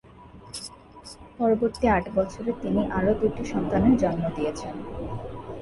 পরবর্তী আট বছরে তিনি আরও দুটি সন্তানের জন্ম দিয়েছেন।